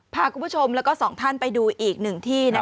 พาคุณผู้ชมแล้วก็สองท่านไปดูอีกหนึ่งที่